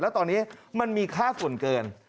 แล้วตอนนี้มันมีค่าส่วนเกิน